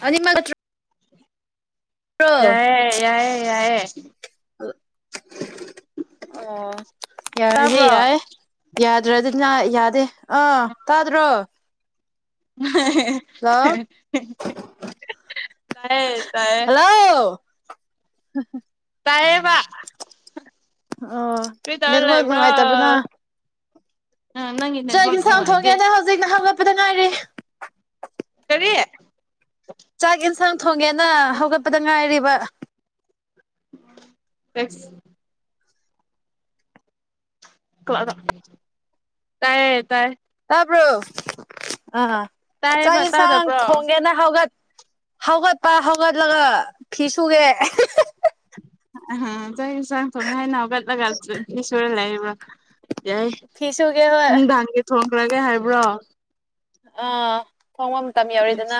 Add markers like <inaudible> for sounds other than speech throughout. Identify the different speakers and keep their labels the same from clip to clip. Speaker 1: ꯑꯅꯤ ꯃꯥ
Speaker 2: ꯌꯥꯏꯌꯦ ꯌꯥꯏ ꯌꯥꯏꯌꯦ
Speaker 1: ꯑ ꯌꯥꯔꯦ ꯌꯥꯏ ꯌꯥ
Speaker 2: ꯇꯥꯕ꯭ꯔꯣ
Speaker 1: ꯌꯥꯗ꯭ꯔꯗꯤꯅ ꯌꯥꯗꯦ ꯑꯥ ꯇꯥꯗ꯭ꯔꯣ ꯍꯜꯂꯣ
Speaker 2: ꯇꯥꯏꯌꯦ ꯇꯥꯏꯌꯦ
Speaker 1: ꯍꯜꯂꯣ ꯍ ꯍ
Speaker 2: ꯂꯑꯌꯦꯕ
Speaker 1: ꯑꯣ
Speaker 2: ꯀ ꯇꯔ
Speaker 1: ꯅꯦꯠꯋꯥꯛ
Speaker 2: ꯂꯩꯕ꯭ꯔꯣ ꯎꯝ ꯅꯪꯒꯤ
Speaker 1: ꯆ
Speaker 2: ꯅꯦꯠꯋꯥꯛ ꯅꯨꯡꯉꯥꯏꯇꯦ
Speaker 1: ꯏꯟꯁꯥꯡꯊꯣꯛꯀꯦꯗ ꯍꯧꯖꯤꯛꯅ ꯍꯧꯒꯠꯄꯗ ꯉꯥꯏꯔꯤ
Speaker 2: ꯀ
Speaker 1: ꯆꯥꯛ ꯌꯦꯟꯁꯥꯡ ꯊꯣꯡꯒꯦꯅ ꯍꯧꯒꯠꯄꯗ ꯉꯥꯏꯔꯤꯕ
Speaker 2: ꯇ ꯀꯥꯏ ꯇꯥꯏ
Speaker 1: ꯇꯥꯕ꯭ꯔꯣ ꯑ ꯆꯥꯛ
Speaker 2: ꯇꯥꯏꯌꯦꯕ
Speaker 1: ꯌꯦꯟꯁꯥꯡ
Speaker 2: ꯇꯥꯗꯕ꯭ꯔꯣ
Speaker 1: ꯊꯣꯡꯒꯦꯅ ꯍꯧꯒꯠ ꯍꯧꯒꯠꯄ ꯍꯧꯒꯠꯂꯒ ꯐꯤ ꯁꯨꯒꯦ
Speaker 2: ꯆꯥꯏ ꯆꯥꯡ ꯊꯉꯦ ꯍꯥꯏꯅꯒꯠꯂꯒꯁꯨꯁꯨꯨꯔ ꯂꯩ ꯍꯥꯏꯕ꯭ꯔꯣ ꯌꯥꯏ
Speaker 1: ꯐꯤ ꯁꯨꯒꯦ ꯍꯣꯏ
Speaker 2: ꯅꯨꯡꯗꯥꯡꯒꯤ ꯊꯣꯟꯈ꯭ꯔꯒꯦ ꯍꯥꯏꯕ꯭ꯔꯣ
Speaker 1: ꯑꯥ ꯊꯣꯡꯕ ꯃꯇꯝ
Speaker 2: ꯑꯁ
Speaker 1: ꯌꯧꯔꯤꯗꯅ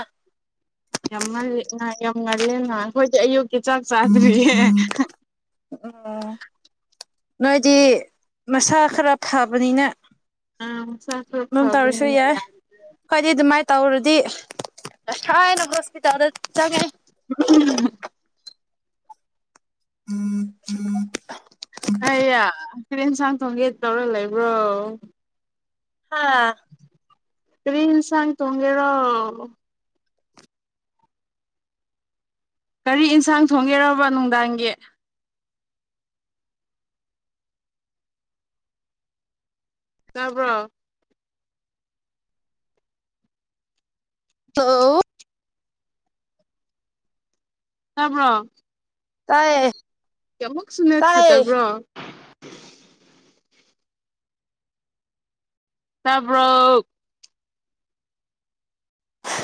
Speaker 2: ꯌꯥꯝ ꯉꯜꯂꯦ ꯌꯥꯝ ꯉꯜꯂꯦ ꯅ ꯑꯩꯈꯣꯏꯗꯤ ꯑꯌꯨꯛ ꯀ ꯆꯠ ꯆꯊꯔꯤ
Speaker 1: ꯅꯣꯏꯗꯤ ꯃꯁꯥ ꯈꯔ ꯐꯕꯅꯤꯅ
Speaker 2: ꯑꯁ
Speaker 1: ꯑꯗꯨꯝ
Speaker 2: ꯐꯒꯅ ꯌꯥ
Speaker 1: ꯇꯧꯔꯗꯤꯁꯥꯏꯅ ꯍꯣꯁꯄꯤꯇꯥꯜꯗ ꯆꯪꯉꯅꯤ ꯎꯝ ꯎꯝ
Speaker 2: ꯍꯌꯥ ꯐꯦꯟꯟꯁꯥꯡ ꯊꯣꯡꯒꯦ ꯇꯧꯔ ꯂꯩꯕ꯭ꯔꯣ
Speaker 1: ꯍꯥꯥ
Speaker 2: ꯐꯔꯤꯟꯁꯥꯡ ꯇꯨꯡꯉꯦꯔ ꯀꯔꯤ ꯌꯦꯟꯁꯥꯡ ꯊꯣꯡꯒꯦꯔꯕ ꯅꯨꯡꯗꯥꯡꯒꯤ ꯇꯕ꯭ꯔꯣ
Speaker 1: ꯍꯜꯂꯣ
Speaker 2: ꯆꯥꯕ꯭ꯔꯣ
Speaker 1: ꯇꯥꯏꯌꯦ
Speaker 2: ꯀꯌꯥꯃꯨꯛ ꯁꯨꯅ
Speaker 1: ꯇꯥꯏꯌꯦ
Speaker 2: ꯐꯗꯕ꯭ꯔꯣ ꯇꯔꯕꯣ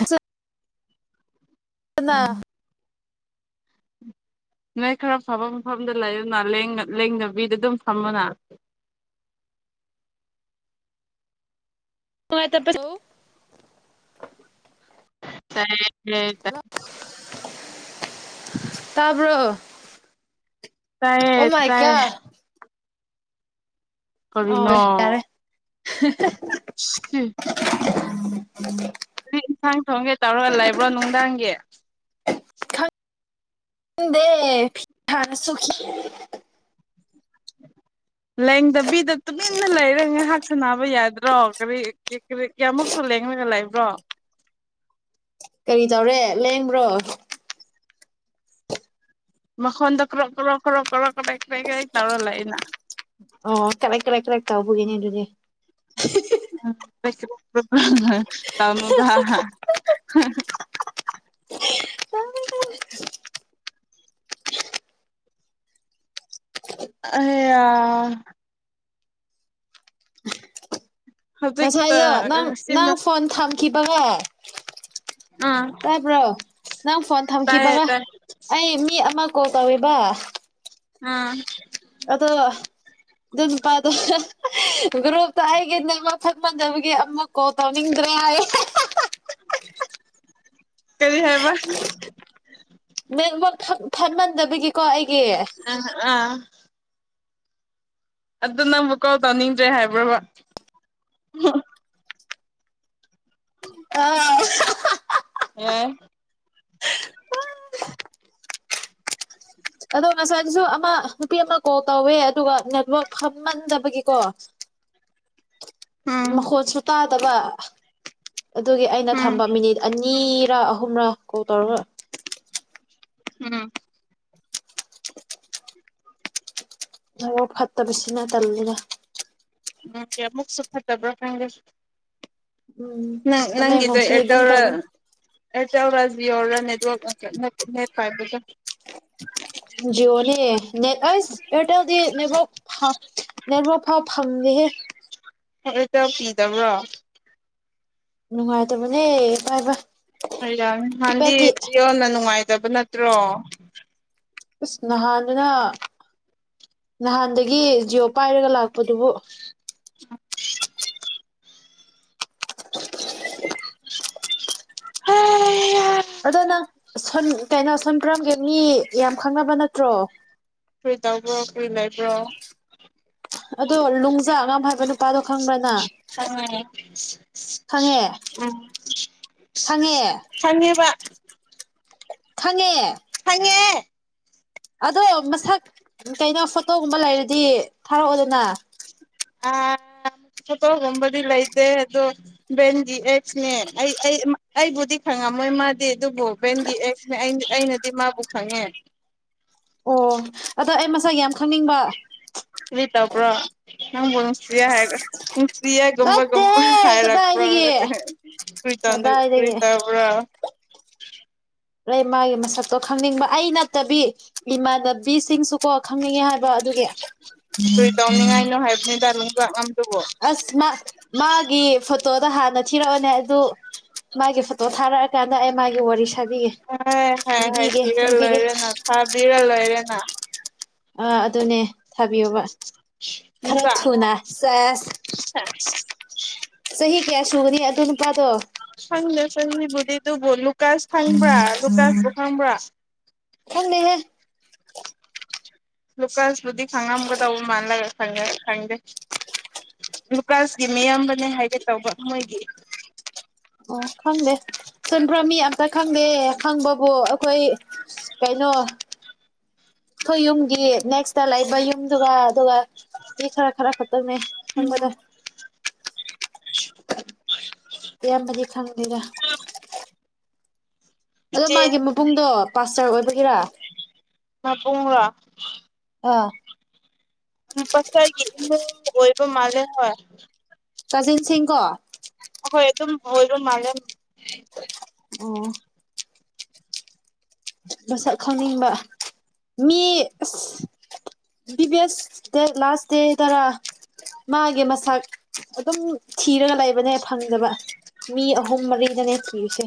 Speaker 1: ꯆ ꯄꯨꯅꯥ
Speaker 2: ꯅꯣꯏ ꯈꯔ ꯐꯕ ꯃꯐꯝꯗ ꯂꯩ ꯑꯗꯨꯅ ꯂꯦꯡꯗꯕꯤꯗ ꯑꯗꯨꯝ ꯐꯝꯕꯅ
Speaker 1: ꯑ ꯍꯅꯨꯡꯉꯥꯏꯇ ꯄꯣ
Speaker 2: ꯇ ꯍ
Speaker 1: ꯇꯥꯕ꯭ꯔꯣ
Speaker 2: ꯇꯑꯌꯦ
Speaker 1: ꯑꯣ ꯃꯥꯏ
Speaker 2: ꯇꯑꯌꯦ
Speaker 1: ꯒꯣꯗ ꯑꯋ ꯌꯥꯔꯦ
Speaker 2: ꯎꯝ ꯊꯣꯡꯒꯦ ꯇꯧꯔꯒ ꯂꯩꯕ꯭ꯔꯣ ꯅꯨꯡꯗꯥꯡꯒꯤ
Speaker 1: ꯗ ꯄꯥ ꯁꯈꯤꯤ
Speaker 2: ꯂꯦꯡꯗꯕꯤꯗ ꯇꯨꯃꯤꯟꯅ ꯂꯩꯔꯒ ꯉꯥꯏꯍꯥꯛ ꯁꯦ ꯅꯥꯕ ꯌꯥꯗ ꯕ꯭ꯔꯣ ꯀꯔꯤ ꯀꯌꯥꯃꯨꯛꯁꯨ ꯂꯦꯒ ꯂꯕ꯭ꯔꯣ
Speaker 1: ꯀꯔꯤ ꯇꯧꯔꯦ ꯂꯦꯡꯕ꯭ꯔꯣ
Speaker 2: ꯃꯈꯣꯟꯗ ꯀ꯭ꯔꯣ ꯀ꯭ꯔꯣ ꯀ꯭ꯔꯞ ꯀ꯭ꯔꯣ ꯀ꯭ꯔꯦꯛ ꯀ꯭ꯔ ꯀꯦꯛ ꯇꯧꯔꯂ ꯑꯩꯅ
Speaker 1: ꯑꯣ ꯀꯔꯛ ꯀꯂ ꯀꯂꯛ ꯀꯥꯎꯧꯕꯒꯤꯅꯦ ꯑꯗꯨꯗꯤ
Speaker 2: ꯎꯝꯃ ꯑꯌꯦ ꯍꯧꯖꯤꯛꯇ
Speaker 1: ꯉꯁꯥꯏꯗꯣ ꯅꯪ ꯅꯪ
Speaker 2: ꯁꯤꯃ
Speaker 1: ꯐꯣꯟ ꯊꯝꯈꯤꯕꯒ
Speaker 2: ꯑꯥ
Speaker 1: ꯇꯥꯕ꯭ꯔꯣ ꯅꯪ ꯐꯣꯟ
Speaker 2: ꯇꯥꯏꯌꯦ
Speaker 1: ꯊꯝꯈꯤꯕꯒ
Speaker 2: ꯇꯥꯏ
Speaker 1: ꯑꯩ ꯃꯤ ꯑꯃ ꯀꯣꯜ ꯇꯧ ꯕꯥ
Speaker 2: ꯑꯥ
Speaker 1: ꯑꯗꯣ ꯑꯗꯨ ꯅꯨꯄꯥꯗꯣ ꯒ꯭ꯔꯨꯞꯇ ꯑꯩꯒꯤ ꯅꯦꯝꯃꯛ ꯊꯛꯃꯟꯖꯕꯒꯤ ꯑꯃ ꯀꯣꯜ ꯇꯧꯅꯤꯡꯗ꯭ꯔꯦ <unintelligible>
Speaker 2: ꯀꯔꯤ ꯍꯥꯏꯕ
Speaker 1: ꯅꯦꯠꯋꯥꯛ ꯐꯠꯃꯟꯗꯕꯒꯤꯀꯣ ꯑꯩ
Speaker 2: ꯑ ꯑꯥ ꯑꯗꯨ ꯅꯪꯕꯨ ꯀꯥꯎꯜ ꯇꯧꯅꯤꯡꯗ꯭ꯔꯦ ꯍꯥꯏꯕ꯭ꯔꯕ
Speaker 1: ꯑ
Speaker 2: ꯑꯝ
Speaker 1: ꯑꯗꯣ ꯉꯁꯥꯏꯗꯨꯁꯨ ꯑꯃ ꯅꯨꯄꯤ ꯑꯃꯅ ꯀꯣꯜ ꯇꯧꯋꯦ ꯑꯗꯨꯒ ꯅꯦꯠꯋꯥꯛ ꯐꯝꯃꯟꯗꯕꯒꯤꯀꯣ
Speaker 2: ꯎꯝ
Speaker 1: ꯃꯈꯣꯠꯁꯨ ꯇꯥꯗꯕ ꯑꯗꯨꯒꯤ ꯑꯩꯅ
Speaker 2: ꯎꯝ
Speaker 1: ꯊꯝꯕ ꯃꯤꯅꯤꯠ ꯑꯅꯤꯔ ꯑꯍꯨꯝꯔ ꯀꯣꯜ ꯇꯧꯔꯒ
Speaker 2: ꯎꯝ
Speaker 1: ꯑꯣ ꯐꯠꯇꯕꯁꯅ ꯇꯜꯂꯒ
Speaker 2: ꯑꯣ ꯑꯃꯨꯛꯁꯨ ꯐꯠꯇꯕ꯭ꯔꯥ ꯈꯪꯗꯦꯁ
Speaker 1: ꯎꯝ
Speaker 2: ꯅꯪ ꯅꯪꯗ
Speaker 1: ꯇꯃꯦꯡꯂꯣꯡꯁꯤ ꯑꯗꯨꯝ ꯇꯧꯕꯅꯤ
Speaker 2: ꯑꯦꯔꯋꯥꯔ ꯔꯥ ꯅꯦꯠ ꯅꯦ ꯐꯕꯖ
Speaker 1: ꯖꯤꯑꯣꯅꯦ ꯅꯦ ꯑꯁ ꯑꯦꯔꯇꯦꯜꯗꯤ ꯅꯦ ꯅꯦ ꯐꯝꯗꯦꯍꯦ
Speaker 2: ꯐꯔꯠꯇ ꯀꯤꯗꯕ꯭ꯔꯣ
Speaker 1: ꯅꯨꯡꯉꯥꯏꯇꯕꯅꯦ ꯚꯥꯏ ꯚꯥꯏ
Speaker 2: ꯍ ꯅꯥꯟꯗꯤ ꯖꯤꯌꯣꯟꯅ ꯅꯨꯡꯉꯥꯏꯇꯕ ꯅꯠꯇ꯭ꯔꯣ
Speaker 1: ꯑꯥꯁ ꯅꯍꯗꯨꯅ ꯅꯍꯥꯟꯗꯒꯤ ꯖꯤꯑꯣ ꯄꯥꯏꯔꯒ ꯂꯥꯛꯄꯗꯨꯕꯨ
Speaker 2: ꯎ <unintelligible>
Speaker 1: ꯑꯗꯣ ꯅꯪ ꯁꯟ ꯀꯩꯅꯣ ꯁꯝ ꯄꯔꯝꯒꯦ ꯃꯤ ꯌꯥꯝ ꯈꯪꯅꯕ ꯅꯠꯇ꯭ꯔꯣ
Speaker 2: ꯀꯔꯤ ꯇꯕ꯭ꯔꯣ ꯀꯔꯤꯏ ꯂꯩꯕ꯭ꯔꯣ
Speaker 1: ꯑ <unintelligible> ꯑꯗꯣ ꯂꯅꯨꯡꯖꯥ ꯑꯉꯝ ꯍꯥꯏꯕ ꯅꯨꯄꯥꯗꯣ ꯈꯪꯕ꯭ꯔꯅ
Speaker 2: ꯈꯪꯉꯦ
Speaker 1: ꯈꯪꯉꯦ
Speaker 2: ꯎꯝ
Speaker 1: ꯈꯪꯉꯦ
Speaker 2: ꯊꯅꯤꯕ
Speaker 1: ꯈꯪꯉꯦ
Speaker 2: ꯐꯪꯉꯦ
Speaker 1: ꯑꯗꯣ ꯃꯁꯛ ꯀꯩꯅꯣ ꯐꯣꯇꯣꯒꯨꯝꯕ ꯂꯩꯔꯗꯤ ꯊꯥꯔꯛꯑꯣꯗꯅ
Speaker 2: ꯑ ꯊꯣꯇꯣꯒꯨꯝꯕꯗꯤ ꯂꯩꯇꯦ ꯑꯗꯣ ꯕꯦꯟꯒꯤ ꯑꯩꯁꯅꯦ ꯑꯩ ꯑꯩꯕꯨꯗꯤ ꯈ ꯍꯪꯉꯝꯃꯣꯏ ꯃꯥꯗꯤ ꯑꯗꯨꯕꯨ ꯕꯦꯟꯒꯤ ꯑꯦꯛꯅꯦ ꯑꯩꯅꯗꯤ ꯃꯥꯕꯨ ꯈꯪꯉꯦ
Speaker 1: ꯑꯣ ꯑꯗꯣ ꯑꯩ ꯃꯁꯥ ꯌꯥꯝ ꯈꯪꯅꯤꯡꯕ
Speaker 2: ꯇ ꯄꯨ꯭ꯔꯣ ꯅꯪꯕꯨꯟꯁꯤꯌꯥ ꯍꯥꯏꯔꯟꯁꯤꯌꯥꯒꯣꯝꯕ ꯝꯕ
Speaker 1: ꯅꯠꯇꯦꯍꯦ
Speaker 2: ꯍꯥꯏꯔꯛꯄ꯭ꯔꯣ
Speaker 1: ꯀꯗꯥꯏꯗꯒꯤ
Speaker 2: ꯀꯔꯤ
Speaker 1: ꯀꯗꯥꯏꯗꯒꯤ
Speaker 2: ꯀꯔꯤꯇꯥꯕ꯭ꯔ
Speaker 1: ꯑ ꯃꯥꯒꯤ ꯃꯁꯛꯇꯣ ꯈꯪꯅꯤꯡꯕ ꯑꯩ ꯅꯠꯇꯕꯤ ꯏꯃꯥꯟꯅꯕꯤꯁꯤꯡꯁꯨꯀꯣ ꯍꯪꯉꯉꯦ ꯍꯥꯏꯕ ꯑꯗꯨꯒꯤ ꯎꯝ
Speaker 2: ꯀꯔꯤ ꯇꯧꯅꯤꯡꯉꯥꯏꯅꯣ ꯍꯥꯏꯕꯅꯤꯗ ꯅꯨꯡꯖꯥꯛ ꯉꯝꯗꯨꯕꯨ
Speaker 1: ꯑꯁ ꯃꯥ ꯃꯥꯒꯤꯦ ꯐꯇꯣ ꯍꯥꯟꯅ ꯊꯤꯔꯛꯑꯅꯦ ꯑꯗꯨ ꯃꯥꯒꯤ ꯐꯣꯇꯣ ꯊꯥꯔꯛꯑ ꯀꯥꯟꯗ ꯑꯩ ꯃꯥꯒꯤ ꯋꯥꯔꯤ ꯁꯥꯕꯤꯒꯦ
Speaker 2: ꯍꯥꯏ ꯍꯥꯏ ꯍꯥꯏ
Speaker 1: ꯂꯤꯕꯤꯒꯦ
Speaker 2: ꯊꯤꯔ
Speaker 1: ꯂꯤꯕꯤꯒꯦ
Speaker 2: ꯂꯣꯏꯔꯦꯅ ꯊꯥꯕꯤꯔ ꯂꯣꯏꯔꯦꯅ
Speaker 1: ꯑ ꯑꯗꯨꯅꯦ ꯊꯥꯕꯤꯌꯣꯕ ꯐꯔꯛ
Speaker 2: ꯅꯨꯡꯖꯥꯛ ꯉꯝ
Speaker 1: ꯊꯨꯅꯥ ꯁꯥꯁ
Speaker 2: ꯁꯦꯁ
Speaker 1: ꯁꯍꯤ ꯀꯌꯥ ꯆꯒꯔꯤ ꯌꯥ ꯑꯗꯨꯅ ꯄꯇꯣ
Speaker 2: ꯁꯪꯁꯤꯕꯨꯗꯤ ꯑꯗꯨꯕꯨ ꯂꯨꯀꯥꯁ ꯈꯪꯕ꯭ꯔꯥ ꯂꯨꯀꯥꯁꯄꯨ ꯈꯪꯕ꯭ꯔꯥ
Speaker 1: ꯊꯅꯦꯍꯦ
Speaker 2: ꯂꯨꯀꯥꯟꯁꯕꯨꯨꯗꯤ ꯈꯪꯉꯝꯒꯗꯧꯕ ꯃꯥꯜꯂꯒ ꯈꯪꯗꯦ ꯂꯨꯀꯥꯁꯀꯤ ꯃꯤꯌꯥꯝꯕꯅꯦ ꯍꯥꯏꯒꯦ ꯇꯧꯕ ꯃꯣꯏꯒꯤ
Speaker 1: ꯑꯣ ꯈꯪꯗꯦ ꯆꯟꯕ꯭ꯔ ꯃꯤ ꯑꯝꯇ ꯈꯪꯗꯦ ꯈꯪꯕꯕꯨ ꯑꯩꯈꯣꯏ ꯀ ꯅ <unintelligible> ꯑꯩꯈꯣꯏ ꯌꯨꯝꯒꯤ ꯅꯦꯛꯁꯇ ꯂꯩꯕ ꯌꯨꯝꯗꯨꯒ ꯑꯗꯨꯒ ꯌꯦ ꯈꯔ ꯈꯔ ꯈꯇꯔꯅꯦ ꯊꯪꯕꯖꯔ ꯑꯌꯥꯝꯕꯗꯤ ꯈꯪꯗꯦꯗ ꯑꯗꯣ
Speaker 2: ꯏꯆꯦ
Speaker 1: ꯃꯥꯒꯤ ꯃꯕꯨꯡꯗꯣ ꯄꯥꯁꯇꯔ ꯑꯣꯏꯕ
Speaker 2: <unintelligible>
Speaker 1: ꯑꯥ
Speaker 2: ꯄꯁꯥꯏꯒꯤ ꯏꯃꯨꯡ ꯑꯣꯏꯕ ꯃꯥꯜꯂꯦ ꯍꯣꯏ
Speaker 1: ꯀꯖꯤꯟ ꯁꯤꯡꯀꯣ
Speaker 2: ꯍꯣꯏ ꯑꯗꯨꯝ ꯑꯣꯏꯕ ꯃꯥꯂꯦ
Speaker 1: ꯑꯣ ꯃꯁꯛ ꯈꯪꯅꯤꯡꯕ ꯃꯤ ꯑꯁ ꯕꯤꯕꯤꯑꯦꯁ <unintelligible> ꯃꯥꯒꯤ ꯃꯁꯛ ꯑꯗꯨꯝ ꯊꯤꯔꯒ ꯂꯩꯕꯅ ꯐꯪꯗꯕ ꯃꯤ ꯑꯍꯨ ꯃꯔꯤꯗꯅꯦ ꯊꯤꯔꯤꯁꯦ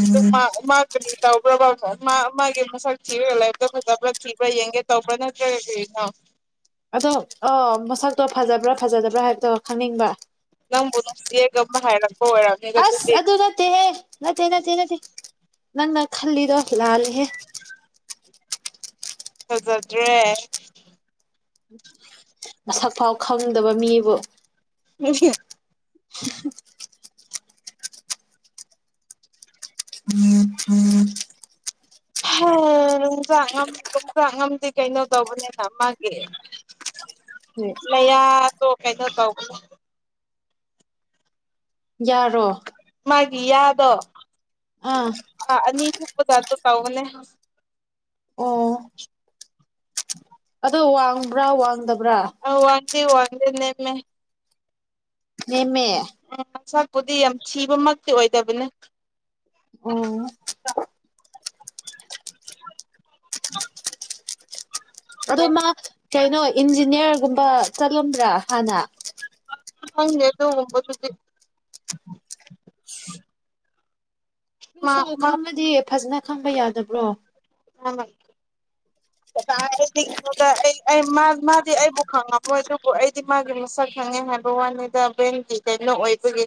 Speaker 2: ꯑꯗꯨ ꯃꯥ ꯃꯥ ꯀꯔꯤ ꯇꯧꯕ꯭ꯔꯕ ꯃꯥ ꯃꯥꯒꯤ ꯃꯁꯛ ꯊꯤꯔꯒ ꯂꯩꯄꯇꯣ ꯐꯖꯕ꯭ꯔ ꯊꯤꯕ꯭ꯔ ꯌꯦꯡꯒꯦ ꯇꯧꯄꯔ꯭ ꯅꯠꯇ꯭ꯔꯒ ꯀꯔꯤꯅꯣ
Speaker 1: ꯑꯗꯣ ꯑ ꯃꯁꯛꯇꯣ ꯐꯖꯕ꯭ꯔꯥ ꯐꯖꯗꯕ꯭ꯔꯥ ꯍꯥꯏꯕꯗꯣ ꯈꯪꯅꯤꯡꯕ
Speaker 2: ꯅꯪ <unintelligible> <unintelligible> ꯍꯥꯏꯔꯛ
Speaker 1: ꯑꯁ ꯑꯗꯨ ꯅꯠꯇꯦꯍꯦ ꯅꯠꯇꯦ ꯅꯠꯇꯦ ꯅꯠꯇꯦ ꯅꯪꯅ ꯈꯜꯂꯤꯗꯣ ꯂꯥꯂꯦꯍꯦ
Speaker 2: <inaudible> ꯐꯖꯗꯔ꯭ꯦ
Speaker 1: ꯃꯁꯛ ꯐꯥꯎ ꯈꯪꯗꯕ ꯃꯤꯕꯨ
Speaker 2: <unintelligible>
Speaker 1: <inaudible> <inaudible>
Speaker 2: <inaudible> ꯌꯣꯡꯆꯥꯛ ꯌꯣꯡꯆꯥꯛ ꯉꯝꯗꯤ ꯀꯩꯅꯣ ꯇꯧꯕꯅꯤꯅ ꯃꯥꯒꯤ <unintelligible>
Speaker 1: ꯌꯥꯔꯣ
Speaker 2: ꯃꯥꯒꯤ ꯌꯥꯗꯣ
Speaker 1: ꯑꯥ
Speaker 2: ꯑꯅꯤ ꯐꯨꯛꯄꯩ ꯇꯥꯏꯄꯇ ꯇꯧꯕꯅꯦ
Speaker 1: ꯑꯣ ꯑꯗꯣ ꯋꯥꯡꯕ꯭ꯔꯥ ꯋꯥꯡꯗꯕ
Speaker 2: ꯑ ꯋꯥꯡꯗꯦ ꯋꯥꯡꯗꯦ ꯅꯦꯝꯃꯦ
Speaker 1: ꯅꯦꯝꯃꯦ
Speaker 2: ꯎꯝ ꯃꯁꯛꯄꯨꯗꯤ ꯌꯥꯝ ꯊꯤꯕꯃꯛꯇꯤ ꯑꯣꯏꯗꯕꯅꯦ
Speaker 1: ꯎꯝ
Speaker 2: <inaudible>
Speaker 1: ꯑꯗꯣ ꯃꯥ ꯀꯩꯅꯣ ꯏꯟꯖꯤꯅꯤꯌꯔꯒꯨꯝꯕ ꯆꯠꯂꯝꯕ꯭ꯔꯥ ꯍꯥꯟꯅ
Speaker 2: ꯈꯪꯗꯦꯗ <unintelligible>
Speaker 1: <unintelligible> ꯈꯪꯉꯗꯤ ꯐꯖꯅ ꯈꯪꯕ ꯌꯥꯗꯕ꯭ꯔꯣ
Speaker 2: ꯑꯃ
Speaker 1: <inaudible>
Speaker 2: ꯀꯗꯥꯏꯗꯒꯤꯅꯣꯗ ꯑꯩ ꯑꯩ ꯃꯥꯗꯤ ꯑꯩꯕꯨ ꯈꯪꯉꯝꯃꯣꯏ ꯑꯗꯨꯕꯨ ꯑꯩꯗꯤ ꯃꯥꯒꯤ ꯃꯁꯛ ꯈꯪꯉꯦ ꯍꯥꯏ ꯕ ꯋꯥꯅꯤꯗ ꯕꯦꯡꯀꯒꯤ ꯀꯩꯅꯣ ꯑꯣꯏꯕꯒꯤ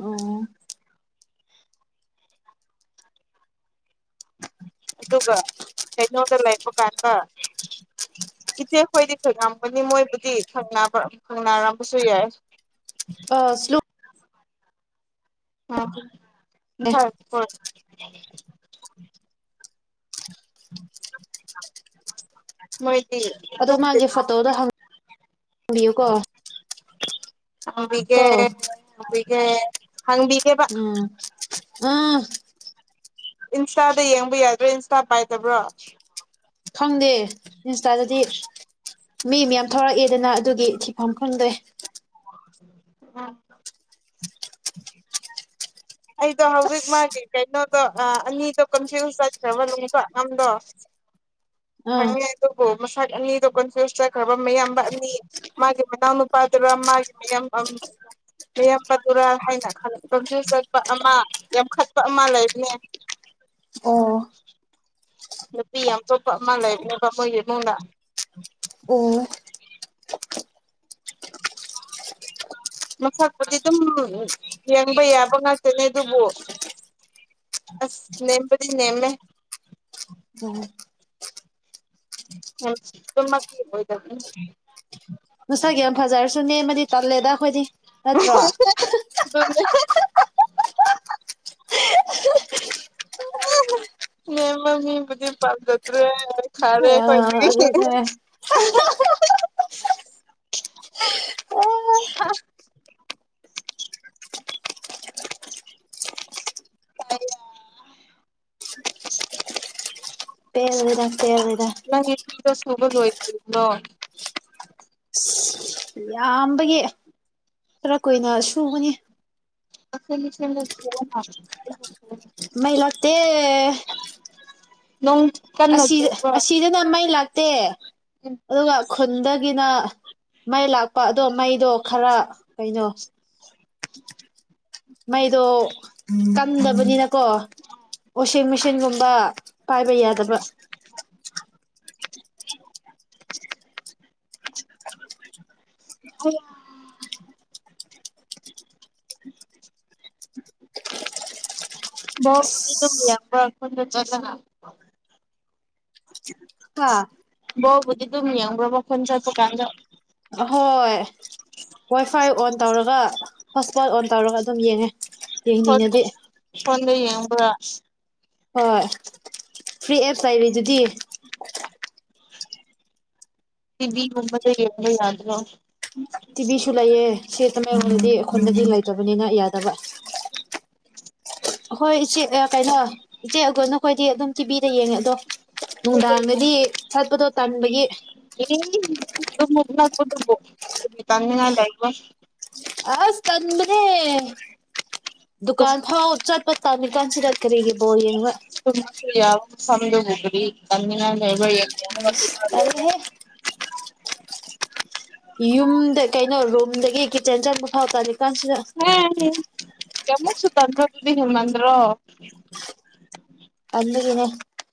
Speaker 1: ꯑꯣ <inaudible>
Speaker 2: ꯑꯗꯨꯒ ꯀꯩꯅꯣꯗ ꯂꯩꯄ ꯀꯥꯟꯗ ꯏꯆꯦ ꯑꯩꯈꯣꯏꯗꯤ ꯈꯪ ꯉꯝꯒꯅꯤ ꯃꯣꯏꯕꯨꯗꯤ ꯈꯪꯅꯔꯝꯕꯁꯨ ꯌꯥꯏ
Speaker 1: ꯑꯁ ꯂꯨ
Speaker 2: ꯑ <unintelligible> <unintelligible> ꯃꯣꯏ <unintelligible> <unintelligible> <unintelligible>
Speaker 1: ꯑꯗꯣ ꯃꯥꯒꯤ ꯐꯣꯇꯣꯗꯣ ꯍꯪꯕꯤꯌꯨꯀꯣ
Speaker 2: <inaudible> ꯍꯪꯕꯤꯒꯦ
Speaker 1: ꯀꯣ
Speaker 2: ꯍꯪꯕꯤꯒꯦ ꯍꯪꯕꯤꯒꯦꯕ
Speaker 1: ꯎꯝ ꯎꯝ
Speaker 2: ꯏꯟꯁꯇꯥꯗ ꯌꯦꯡꯕ ꯌꯥꯗ꯭ꯔꯣ ꯏꯟꯁꯇꯥ ꯄꯥꯏꯗꯕ꯭ꯔꯣ
Speaker 1: ꯈꯪꯗꯦ ꯏꯟꯁꯇꯥꯗꯗꯤ ꯃꯤ ꯃꯌꯥꯝ ꯊꯣꯔꯛꯑꯦꯗꯅ ꯑꯗꯨꯒꯤ ꯊꯤꯐꯝ ꯈꯪꯗꯦ
Speaker 2: <unintelligible>
Speaker 1: <unintelligible>
Speaker 2: ꯑꯩꯗꯣ ꯍꯧꯖꯤꯛ ꯃꯥꯒꯤ ꯀꯩꯅꯣꯗꯣ ꯑꯅꯤꯗꯣ ꯀꯟꯐ꯭ꯌꯨꯁ ꯆꯠꯈ꯭ꯔꯕ ꯅꯨꯡꯄ ꯑꯝꯗꯣ
Speaker 1: ꯑꯥ
Speaker 2: ꯈꯪꯉꯦ ꯑꯗꯨꯕꯨ ꯃꯁꯛ ꯑꯅꯤꯗꯣ ꯀꯟꯐ꯭ꯌꯨꯁ ꯆꯠꯈ꯭ꯔꯕ ꯃꯌꯥꯝꯕ ꯑꯅꯤ ꯃꯥꯒꯤ ꯃꯅꯥꯎꯅꯨꯄꯥꯗꯨꯔ ꯃꯥꯒꯤ ꯃꯌꯥꯝ ꯑꯝ ꯃꯌꯥꯝꯕꯗꯨꯔꯥ ꯍꯥꯏꯅ ꯈꯟ ꯀꯟꯐ꯭ꯌꯨꯁ ꯆꯠꯄ ꯑꯃ ꯌꯥꯝꯈꯠꯄ ꯑꯃ ꯂꯩꯕꯅꯦ
Speaker 1: ꯑꯣ
Speaker 2: ꯅꯨꯄꯤ ꯌꯥꯝ ꯆꯣꯞꯄ ꯑꯃ ꯂꯩꯕꯅꯦꯕ ꯃꯣꯏꯒꯤ ꯏꯃꯨꯡꯗ
Speaker 1: ꯑꯣ
Speaker 2: ꯃꯁꯛꯄꯨꯗꯤ ꯑꯗꯨꯝ ꯌꯦꯡꯕ ꯌꯥꯕ ꯉꯥꯛꯇꯅꯦ ꯑꯗꯨꯕꯨ ꯑꯁ ꯅꯦꯝꯄꯗꯤ ꯅꯦꯝꯃꯦ
Speaker 1: ꯎꯝ
Speaker 2: ꯎꯝ ꯗꯨꯃꯛꯇꯤ ꯑꯣꯏꯗꯝꯅꯤ
Speaker 1: ꯃꯁꯛ ꯌꯥꯝ ꯐꯖꯔꯁꯨ ꯅꯦꯝꯃꯗꯤ ꯇꯜꯂꯦꯗ ꯑꯈꯣꯏꯗꯤ ꯅꯠꯇ꯭ꯔꯣ
Speaker 2: ꯑꯗꯨꯅꯦ
Speaker 1: <unintelligible>
Speaker 2: ꯅꯦꯝꯕ ꯃꯤꯕꯨꯗꯤ ꯄꯥꯝꯖꯇ꯭ꯔꯦ ꯈꯥꯔꯦ
Speaker 1: ꯑ
Speaker 2: ꯑꯩꯈꯣꯏꯗꯒꯤ
Speaker 1: ꯑꯗꯨꯅꯦ
Speaker 2: <unintelligible>
Speaker 1: <unintelligible> ꯄꯦꯜꯂꯦꯗ ꯄꯦꯜꯂꯦꯗ
Speaker 2: <unintelligible> ꯅꯪꯒꯤ ꯐꯤꯗꯣ ꯁꯨꯕ ꯂꯣꯏꯗ꯭ꯔꯤꯕꯣ
Speaker 1: ꯌꯥꯝꯕꯒꯤ ꯈꯔ ꯀꯨꯏꯅ ꯁꯨꯕꯅꯤ
Speaker 2: <unintelligible>
Speaker 1: ꯃꯩ ꯂꯥꯛꯇꯦ
Speaker 2: ꯅꯣꯡ ꯀꯟꯅ
Speaker 1: ꯑꯁꯤꯗ
Speaker 2: ꯆꯨꯕ꯭ꯔꯣ
Speaker 1: ꯑꯁꯤꯗꯅ ꯃꯩ ꯂꯥꯛꯇꯦ ꯑꯗꯨꯒ ꯈꯨꯟꯗꯒꯤꯅ ꯃꯩ ꯂꯥꯛꯄ ꯑꯗꯣ ꯃꯩꯗꯣ ꯈꯔ ꯀꯩꯅꯣ
Speaker 2: <unintelligible>
Speaker 1: ꯃꯩꯗꯣ ꯇꯝꯗꯕꯅꯤꯅꯀꯣ ꯋꯥꯁꯤꯡ ꯃꯦꯆꯤꯟꯒꯨꯝꯕ ꯄꯥꯏꯕ ꯌꯥꯗꯕ
Speaker 2: <unintelligible> ꯥꯕꯣꯜꯕꯨꯗꯤ ꯑꯗꯨꯝ ꯌꯦꯡꯕ ꯈꯨꯟꯗ <unintelligible>
Speaker 1: ꯍꯥ
Speaker 2: ꯕꯣꯜꯕꯨꯗꯤ ꯑꯗꯨꯝ ꯌꯥꯡꯕꯀꯣ ꯈꯨꯟ ꯆꯠꯄ ꯀꯥꯟꯗ
Speaker 1: ꯑꯍꯣꯏ ꯋꯥꯏ ꯐꯥꯏ ꯑꯣꯟ ꯇꯧꯔꯒ ꯍꯣꯠꯁꯄꯣꯠ ꯑꯣꯟ ꯇꯧꯔꯒ ꯑꯗꯨꯝ ꯌꯦꯡꯉꯦ
Speaker 2: ꯐꯣꯟ
Speaker 1: ꯌꯦꯅꯤꯡꯉꯗꯤ
Speaker 2: ꯐꯣꯟꯗ ꯌꯦꯡꯕ꯭ꯔ
Speaker 1: ꯍꯣꯏ ꯐ꯭ꯔꯤ ꯑꯦꯞꯁ ꯂꯩꯔꯤ ꯗꯨꯗꯤ
Speaker 2: ꯇꯤꯚꯤ ꯒꯨꯝꯕꯗ ꯌꯦꯡꯕ ꯌꯥꯗ꯭ꯔꯣ
Speaker 1: ꯇꯤꯚꯤꯁꯨ ꯂꯩꯌꯦ ꯁꯦꯠꯇ <unintelligible> ꯈꯨꯟꯗ ꯂꯩꯇꯕꯅꯤꯅ ꯌꯥꯗꯕ
Speaker 2: <unintelligible>
Speaker 1: ꯍꯣꯏ ꯏꯆꯦ ꯀꯩꯅꯣ ꯏꯆꯦ ꯑꯈꯣꯏ ꯅꯈꯣꯏꯗꯤ ꯑꯗꯨꯝ ꯇꯤꯚꯤꯗ ꯌꯦꯡꯉꯦ ꯑꯗꯣ ꯅꯨꯡꯗꯥꯡꯒꯗꯤ ꯆꯠꯄꯗꯣ ꯇꯟꯕꯒꯤ
Speaker 2: ꯑꯗꯨꯃꯨꯛ ꯅꯛꯄꯗꯨꯕꯨ <unintelligible>
Speaker 1: ꯑꯁ ꯇꯟꯕꯅꯦ
Speaker 2: ꯇꯨꯝ
Speaker 1: ꯗꯨꯀꯥꯟ ꯐꯥꯎ ꯆꯠꯄ ꯇꯜꯂꯤ ꯀꯟꯁꯤꯗ ꯀꯔꯤꯒꯤ ꯕꯣꯜ ꯌꯦꯡꯕ
Speaker 2: ꯁꯝꯗꯨꯅ ꯒꯔꯤ <unintelligible>
Speaker 1: ꯏꯁ ꯇꯜꯂꯦꯍꯦ
Speaker 2: <unintelligible>
Speaker 1: ꯌꯨꯝꯗ ꯀꯩꯅꯣ ꯔꯨꯝꯗꯒꯤ ꯀꯤꯠꯆꯟ ꯆꯪꯕ ꯊꯥꯎ ꯇꯥꯅꯤꯀꯥꯟꯁꯤꯗ
Speaker 2: ꯀꯃꯛꯁꯨ ꯇꯟꯗꯨꯗꯤ ꯍꯦꯃꯟ꯭ꯔꯣ
Speaker 1: <unintelligible>